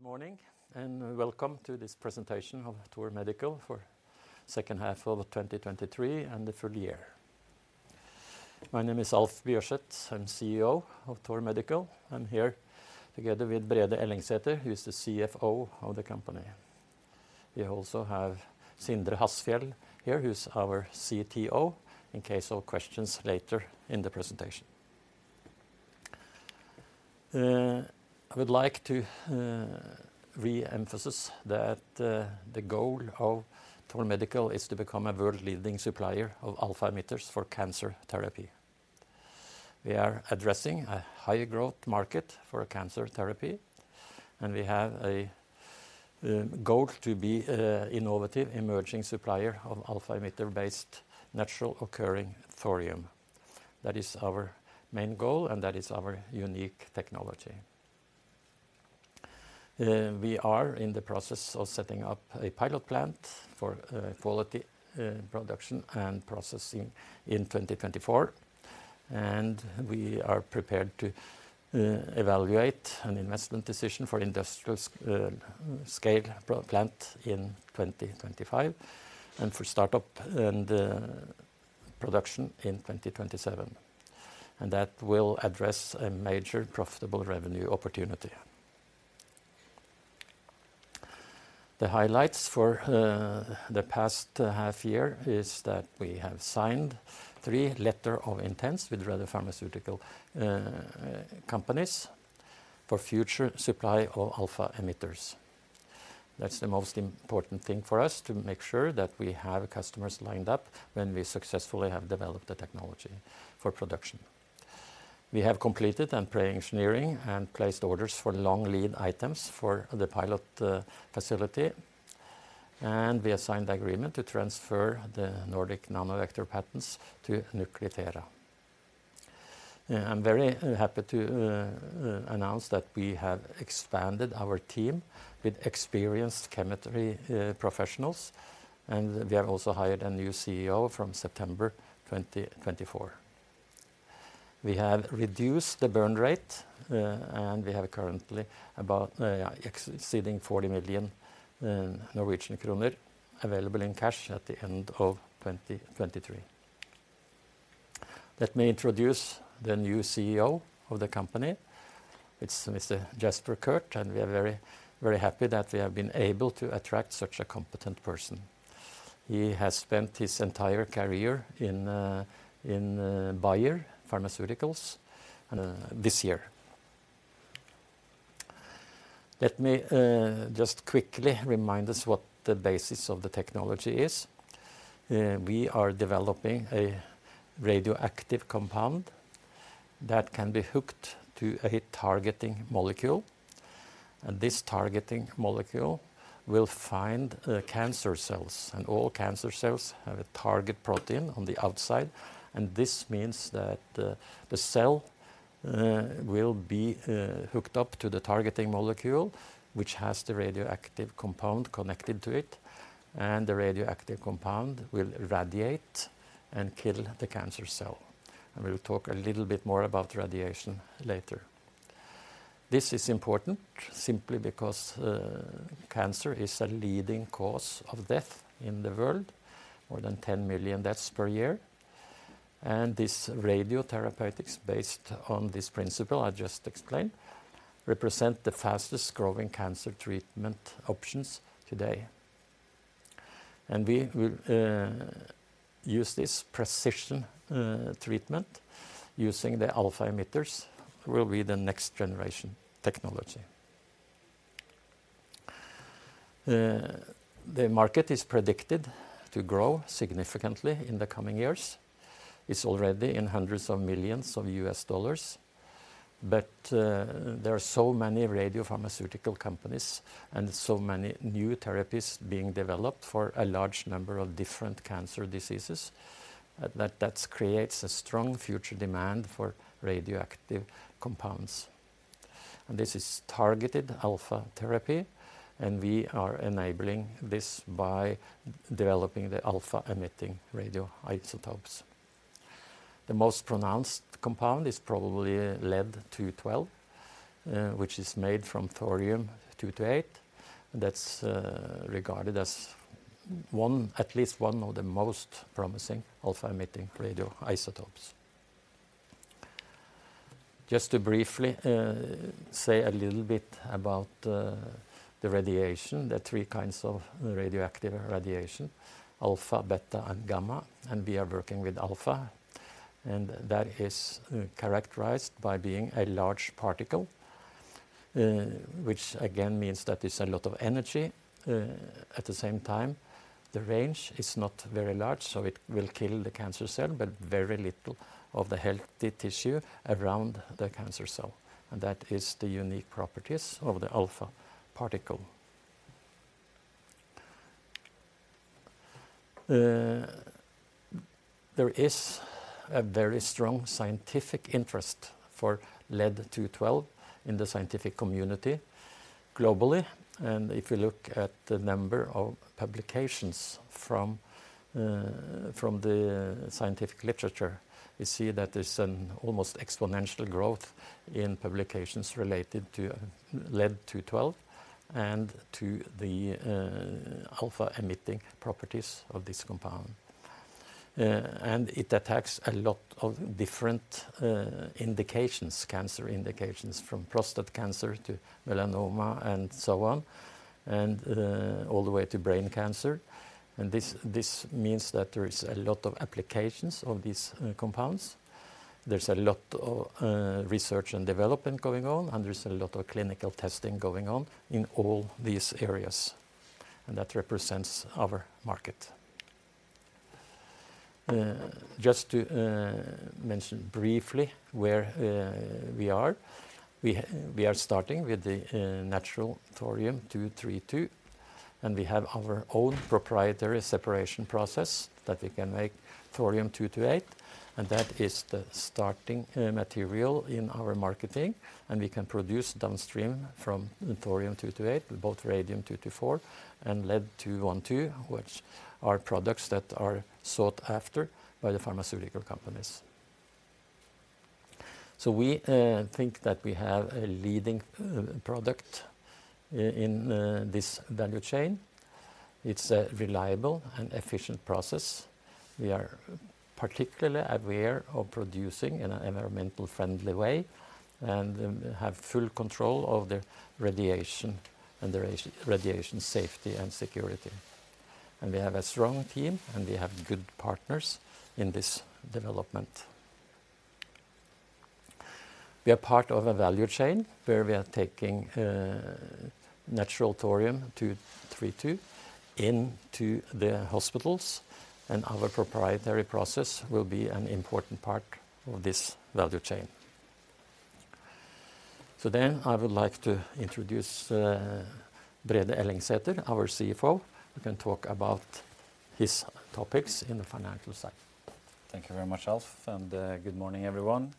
Good morning and welcome to this presentation of Thor Medical for the second half of 2023 and the full year. My name is Alf Bjørseth, I'm CEO of Thor Medical, and here together with Brede Ellingsæter, who is the CFO of the company. We also have Sindre Hassfjell here, who is our CTO, in case of questions later in the presentation. I would like to re-emphasize that the goal of Thor Medical is to become a world-leading supplier of alpha-emitters for cancer therapy. We are addressing a high-growth market for cancer therapy, and we have a goal to be an innovative emerging supplier of alpha-emitter-based natural-occurring thorium. That is our main goal, and that is our unique technology. We are in the process of setting up a pilot plant for quality production and processing in 2024. We are prepared to evaluate an investment decision for an industrial-scale plant in 2025, and for startup production in 2027. That will address a major profitable revenue opportunity. The highlights for the past half year are that we have signed 3 letters of intent with other pharmaceutical companies for future supply of alpha-emitters. That's the most important thing for us, to make sure that we have customers lined up when we successfully have developed the technology for production. We have completed pre-engineering and placed orders for long lead items for the pilot facility. We assigned agreement to transfer the Nordic Nanovector patents to Nuclithera. I'm very happy to announce that we have expanded our team with experienced chemistry professionals. We have also hired a new CEO from September 2024. We have reduced the burn rate, and we have currently exceeding 40 million Norwegian kroner available in cash at the end of 2023. Let me introduce the new CEO of the company. It's Mr. Jasper Kurth, and we are very happy that we have been able to attract such a competent person. He has spent his entire career in Bayer Pharmaceuticals, and this year. Let me just quickly remind us what the basis of the technology is. We are developing a radioactive compound that can be hooked to a targeting molecule. This targeting molecule will find cancer cells. All cancer cells have a target protein on the outside. This means that the cell will be hooked up to the targeting molecule, which has the radioactive compound connected to it. The radioactive compound will radiate and kill the cancer cell. We'll talk a little bit more about radiation later. This is important simply because cancer is a leading cause of death in the world, more than 10 million deaths per year. This radiotherapeutics, based on this principle I just explained, represent the fastest-growing cancer treatment options today. We will use this precision treatment using the alpha-emitters. Will be the next generation technology. The market is predicted to grow significantly in the coming years. It's already in $hundreds of millions. But there are so many radiopharmaceutical companies and so many new therapies being developed for a large number of different cancer diseases that that creates a strong future demand for radioactive compounds. This is targeted alpha therapy, and we are enabling this by developing the alpha-emitting radioisotopes. The most pronounced compound is probably Lead-212, which is made from Thorium-228. That's regarded as at least one of the most promising alpha-emitting radioisotopes. Just to briefly say a little bit about the radiation, the three kinds of radioactive radiation: alpha, beta, and gamma. We are working with alpha. That is characterized by being a large particle, which again means that it's a lot of energy. At the same time, the range is not very large, so it will kill the cancer cell, but very little of the healthy tissue around the cancer cell. That is the unique properties of the alpha particle. There is a very strong scientific interest for Lead-212 in the scientific community globally. If you look at the number of publications from the scientific literature, you see that there's an almost exponential growth in publications related to Lead-212 and to the alpha-emitting properties of this compound. It attacks a lot of different cancer indications, from prostate cancer to melanoma and so on, all the way to brain cancer. This means that there are a lot of applications of these compounds. There's a lot of research and development going on, and there's a lot of clinical testing going on in all these areas. That represents our market. Just to mention briefly where we are, we are starting with the natural Thorium-232. We have our own proprietary separation process that we can make Thorium-228. That is the starting material in our marketing. We can produce downstream from Thorium-228, both Radium-224 and Lead-212, which are products that are sought after by the pharmaceutical companies. We think that we have a leading product in this value chain. It's a reliable and efficient process. We are particularly aware of producing in an environmentally friendly way and have full control of the radiation and the radiation safety and security. We have a strong team, and we have good partners in this development. We are part of a value chain where we are taking natural Thorium-232 into the hospitals. Our proprietary process will be an important part of this value chain. I would like to introduce Brede Ellingsæter, our CFO. We can talk about his topics in the financial side. Thank you very much, Alf. Good morning, everyone.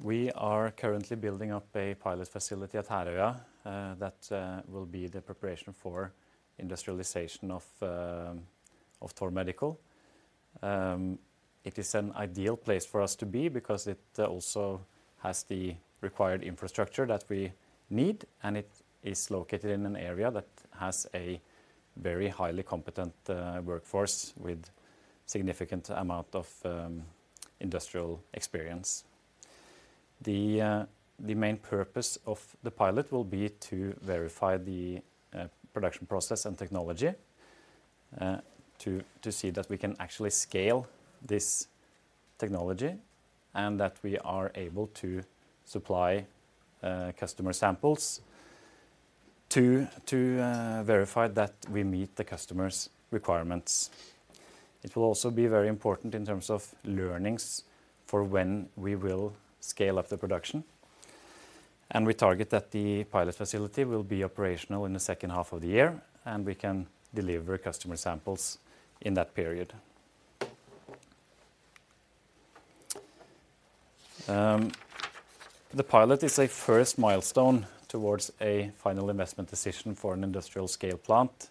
We are currently building up a pilot facility at Herøya that will be the preparation for industrialization of Thor Medical. It is an ideal place for us to be because it also has the required infrastructure that we need, and it is located in an area that has a very highly competent workforce with a significant amount of industrial experience. The main purpose of the pilot will be to verify the production process and technology, to see that we can actually scale this technology and that we are able to supply customer samples to verify that we meet the customer's requirements. It will also be very important in terms of learnings for when we will scale up the production. We target that the pilot facility will be operational in the second half of the year, and we can deliver customer samples in that period. The pilot is a first milestone towards a Final Investment Decision for an industrial-scale plant.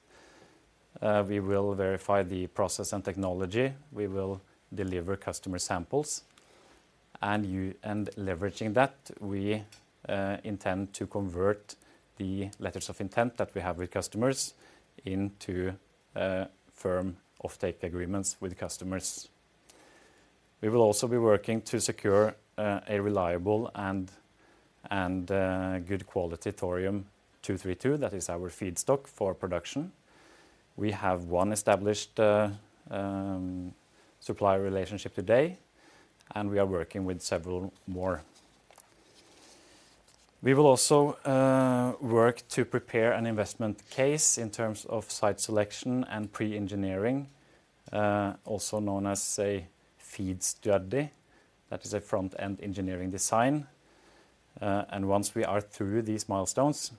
We will verify the process and technology. We will deliver customer samples. Leveraging that, we intend to convert the Letters of Intent that we have with customers into firm offtake agreements with customers. We will also be working to secure a reliable and good-quality Thorium-232 that is our feedstock for production. We have one established supplier relationship today, and we are working with several more. We will also work to prepare an investment case in terms of site selection and pre-engineering, also known as a FEED study. That is a Front-End Engineering Design. Once we are through these milestones,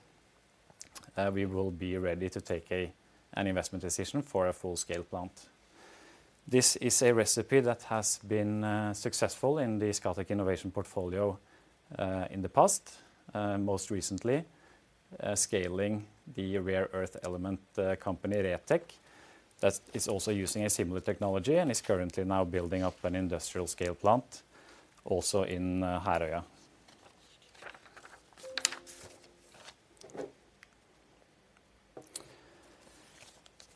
we will be ready to take an investment decision for a full-scale plant. This is a recipe that has been successful in the Scatec Innovation portfolio in the past, most recently scaling the rare-earth element company REEtec, that is also using a similar technology and is currently now building up an industrial-scale plant, also in Herøya.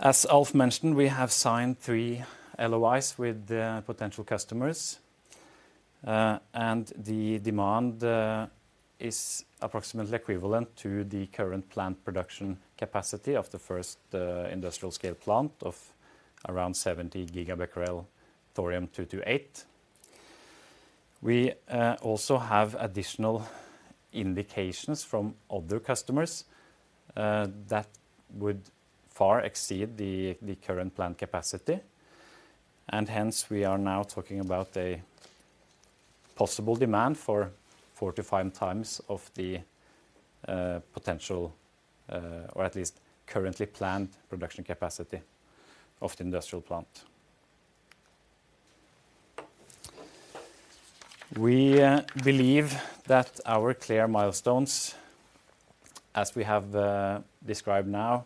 As Alf mentioned, we have signed three LOIs with potential customers. The demand is approximately equivalent to the current plant production capacity of the first industrial-scale plant of around 70 GBq Thorium-228. We also have additional indications from other customers that would far exceed the current plant capacity. Hence, we are now talking about a possible demand for 4-5 times of the potential, or at least currently planned, production capacity of the industrial plant. We believe that our clear milestones, as we have described now,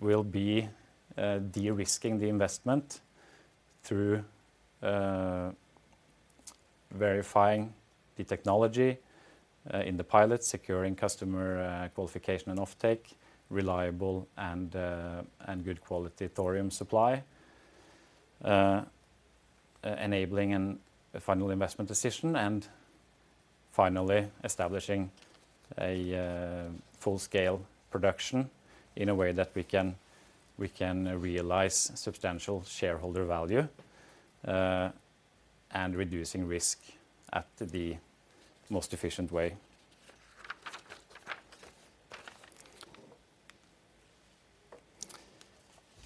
will be de-risking the investment through verifying the technology in the pilot, securing customer qualification and offtake, reliable and good-quality thorium supply, enabling a final investment decision, and finally establishing a full-scale production in a way that we can realize substantial shareholder value and reduce risk in the most efficient way.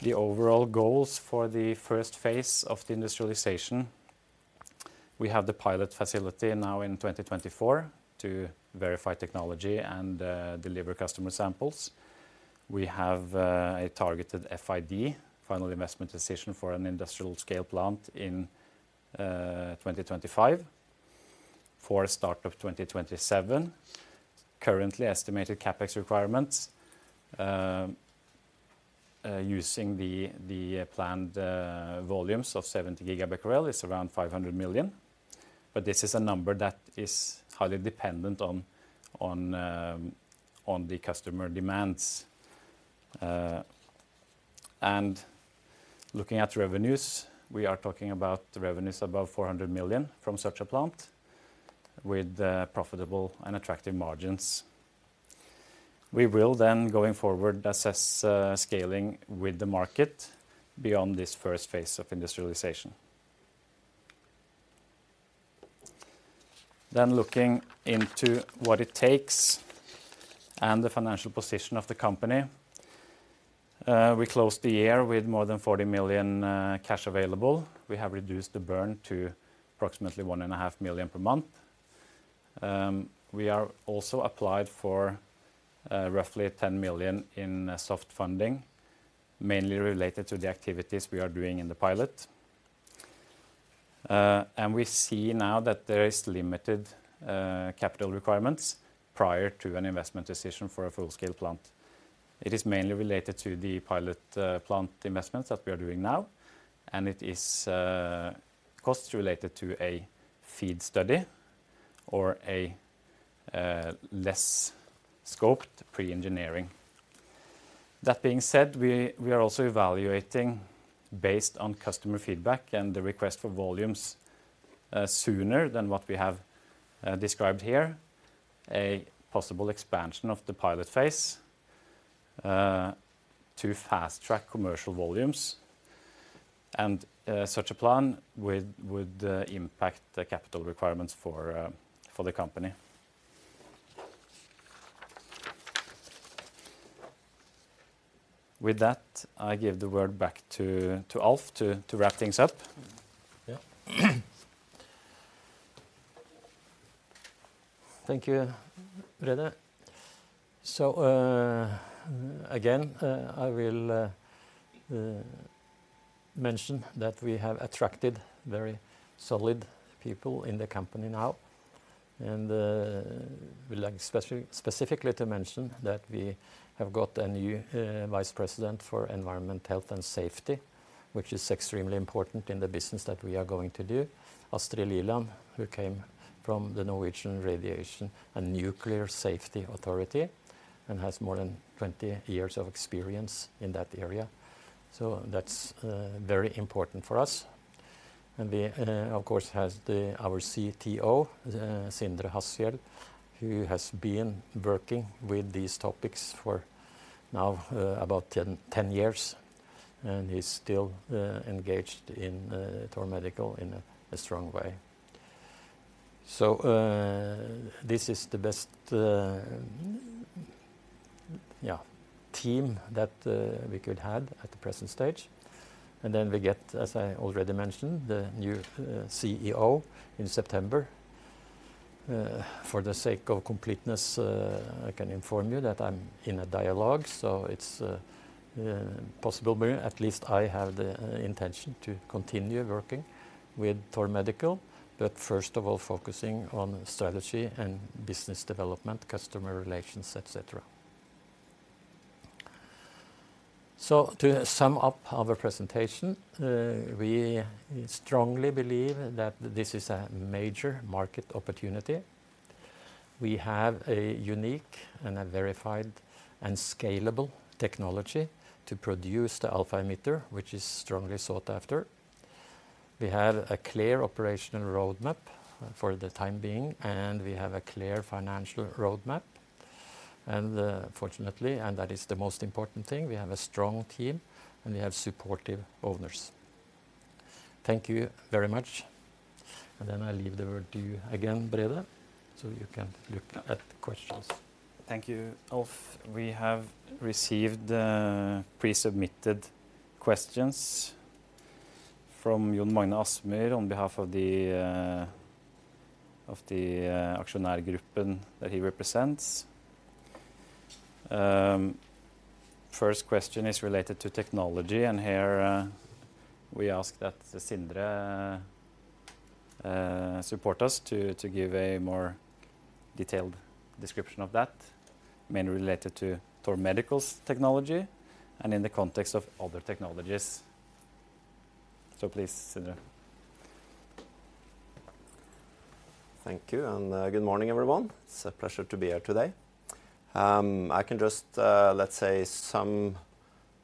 The overall goals for the first phase of the industrialization: we have the pilot facility now in 2024 to verify technology and deliver customer samples. We have a targeted FID, final investment decision for an industrial-scale plant in 2025 for start of 2027. Currently, estimated CAPEX requirements using the planned volumes of 70 gigabecquerel are around 500 million. But this is a number that is highly dependent on the customer demands. Looking at revenues, we are talking about revenues above 400 million from such a plant with profitable and attractive margins. We will then, going forward, assess scaling with the market beyond this first phase of industrialization. Then, looking into what it takes and the financial position of the company: we closed the year with more than 40 million cash available. We have reduced the burn to approximately 1.5 million per month. We are also applied for roughly 10 million in soft funding, mainly related to the activities we are doing in the pilot. We see now that there are limited capital requirements prior to an investment decision for a full-scale plant. It is mainly related to the pilot plant investments that we are doing now, and it is cost-related to a feed study or a less-scoped pre-engineering. That being said, we are also evaluating, based on customer feedback and the request for volumes sooner than what we have described here, a possible expansion of the pilot phase to fast-track commercial volumes. Such a plan would impact the capital requirements for the company. With that, I give the word back to Alf to wrap things up. Thank you, Brede. Again, I will mention that we have attracted very solid people in the company now. I would like specifically to mention that we have got a new Vice President for Environment, Health, and Safety, which is extremely important in the business that we are going to do, Astrid Liland, who came from the Norwegian Radiation and Nuclear Safety Authority and has more than 20 years of experience in that area. That's very important for us. Of course, we have our CTO, Sindre Hassfjell, who has been working with these topics for now about 10 years. He's still engaged in Thor Medical in a strong way. This is the best team that we could have at the present stage. Then, we get, as I already mentioned, the new CEO in September. For the sake of completeness, I can inform you that I'm in a dialogue. It's possible, at least I have the intention to continue working with Thor Medical, but first of all, focusing on strategy and business development, customer relations, et cetera. To sum up our presentation, we strongly believe that this is a major market opportunity. We have a unique and verified and scalable technology to produce the alpha emitter, which is strongly sought after. We have a clear operational roadmap for the time being, and we have a clear financial roadmap. Fortunately, and that is the most important thing, we have a strong team and we have supportive owners. Thank you very much. Then, I leave the word to you again, Brede, so you can look at questions. Thank you, Alf. We have received presubmitted questions from Jon Magne Asmyr on behalf of the auctioneer group that he represents. The first question is related to technology, and here we ask that Sindre support us to give a more detailed description of that, mainly related to Thor Medical's technology and in the context of other technologies. Please, Sindre. Thank you, and good morning, everyone. It's a pleasure to be here today. I can just, let's say, sum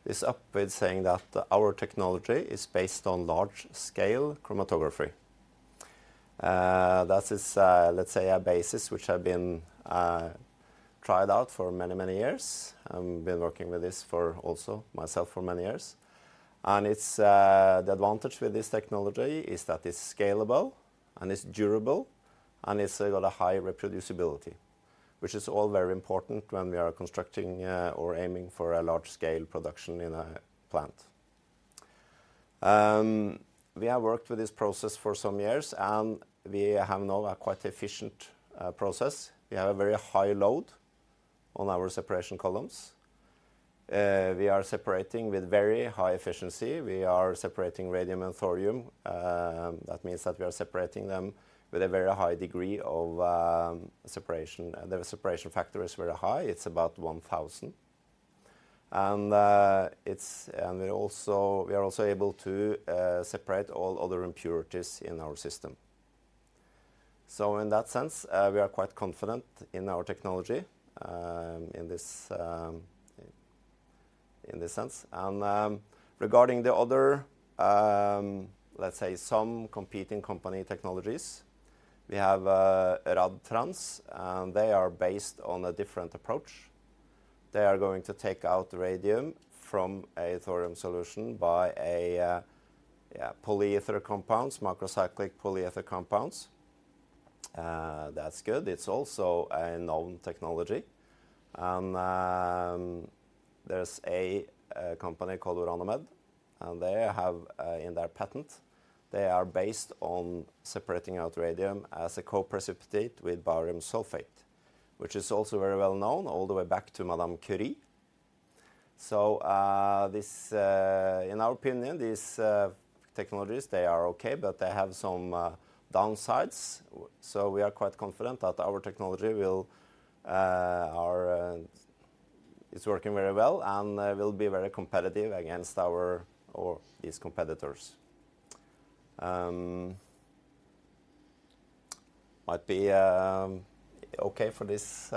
this up with saying that our technology is based on large-scale chromatography. That is, let's say, a basis which has been tried out for many, many years. I've been working with this for also myself for many years. The advantage with this technology is that it's scalable, and it's durable, and it's got a high reproducibility, which is all very important when we are constructing or aiming for a large-scale production in a plant. We have worked with this process for some years, and we have now a quite efficient process. We have a very high load on our separation columns. We are separating with very high efficiency. We are separating radium and thorium. That means that we are separating them with a very high degree of separation. The separation factor is very high. It's about 1,000. We are also able to separate all other impurities in our system. In that sense, we are quite confident in our technology in this sense. Regarding the other, let's say, some competing company technologies, we have Radtrans. They are based on a different approach. They are going to take out radium from a thorium solution by polyether compounds, microcyclic polyether compounds. That's good. It's also a known technology. There's a company called Orano Med. In their patent, they are based on separating out radium as a coprecipitate with barium sulfate, which is also very well known all the way back to Madame Curie. In our opinion, these technologies, they are okay, but they have some downsides. We are quite confident that our technology is working very well and will be very competitive against these competitors. Might be okay for this.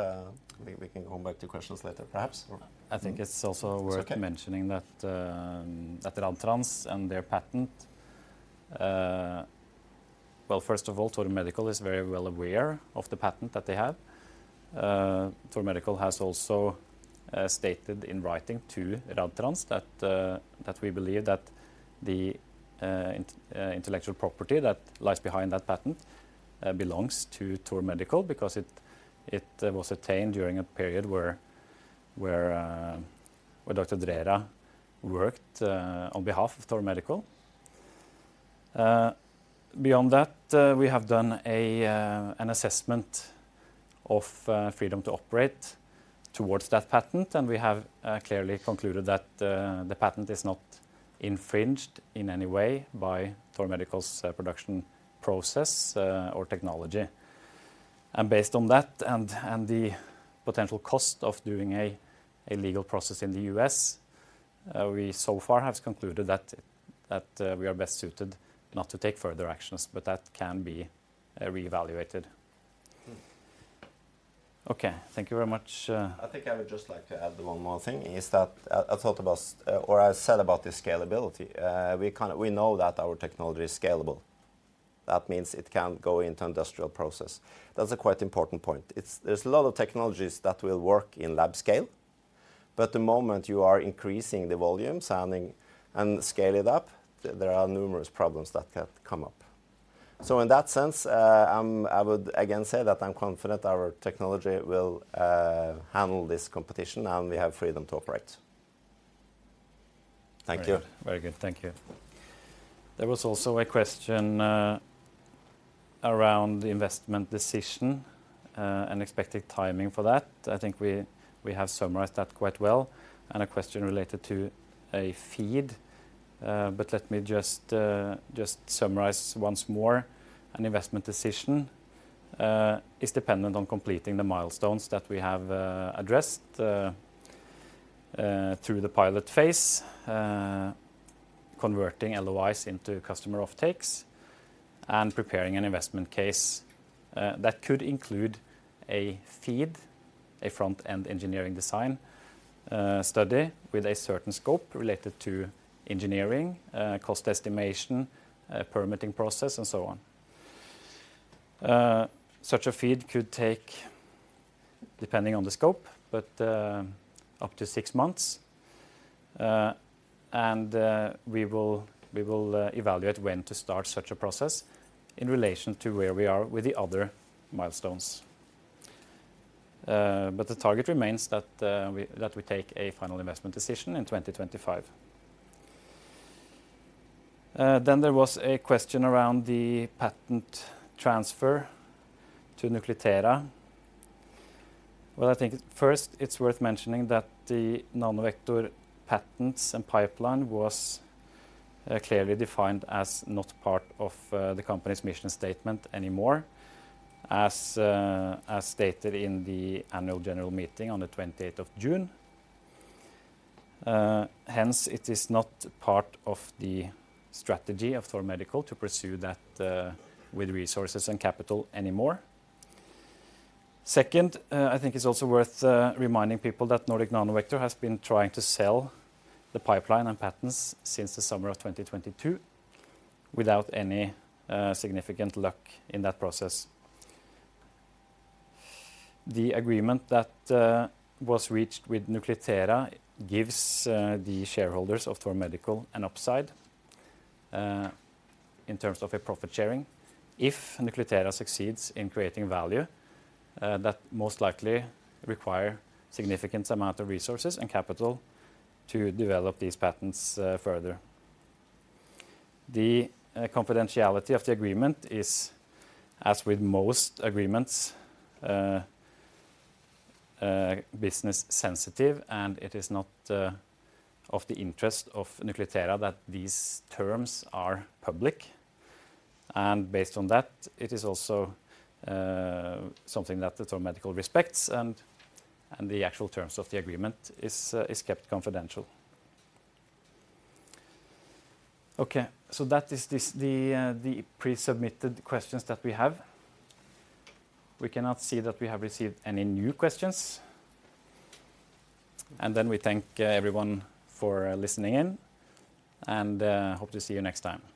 We can come back to questions later, perhaps. I think it's also worth mentioning that Radtrans and their patent... Well, first of all, Thor Medical is very well aware of the patent that they have. Thor Medical has also stated in writing to Radtrans that we believe that the intellectual property that lies behind that patent belongs to Thor Medical because it was attained during a period where Dr. Dreyer worked on behalf of Thor Medical. Beyond that, we have done an assessment of freedom to operate towards that patent, and we have clearly concluded that the patent is not infringed in any way by Thor Medical's production process or technology. Based on that and the potential cost of doing a legal process in the U.S., we so far have concluded that we are best suited not to take further actions, but that can be reevaluated. Okay, thank you very much. I think I would just like to add one more thing. I thought about, or I said about the scalability. We know that our technology is scalable. That means it can go into an industrial process. That's a quite important point. There's a lot of technologies that will work in lab scale, but the moment you are increasing the volumes and scaling it up, there are numerous problems that can come up. In that sense, I would again say that I'm confident our technology will handle this competition, and we have freedom to operate. Thank you. Very good. Thank you. There was also a question around the investment decision and expected timing for that. I think we have summarized that quite well. A question related to a FEED, but let me just summarize once more. An investment decision is dependent on completing the milestones that we have addressed through the pilot phase, converting LOIs into customer offtakes, and preparing an investment case that could include a FEED, a front-end engineering design study with a certain scope related to engineering, cost estimation, permitting process, and so on. Such a FEED could take, depending on the scope, up to six months. We will evaluate when to start such a process in relation to where we are with the other milestones. But the target remains that we take a final investment decision in 2025. Then, there was a question around the patent transfer to NucliThera. Well, I think first it's worth mentioning that the Nanovector patents and pipeline were clearly defined as not part of the company's mission statement anymore, as stated in the annual general meeting on the 28th of June. Hence, it is not part of the strategy of Thor Medical to pursue that with resources and capital anymore. Second, I think it's also worth reminding people that Nordic Nanovector has been trying to sell the pipeline and patents since the summer of 2022 without any significant luck in that process. The agreement that was reached with NucliThera gives the shareholders of Thor Medical an upside in terms of profit sharing if NucliThera succeeds in creating value that most likely requires a significant amount of resources and capital to develop these patents further. The confidentiality of the agreement is, as with most agreements, business-sensitive, and it is not of the interest of NucliThera that these terms are public. Based on that, it is also something that Thor Medical respects, and the actual terms of the agreement are kept confidential. Okay, so that is the presubmitted questions that we have. We cannot see that we have received any new questions. Then, we thank everyone for listening in and hope to see you next time.